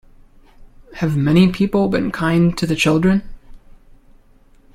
Have many people been kind to the children?